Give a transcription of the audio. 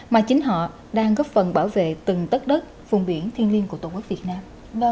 mà chính họ đang góp phần bảo vệ từng tất đất vùng biển thiên liêng của tổ quốc việt nam